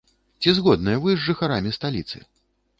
Ці згодныя вы з жыхарамі сталіцы?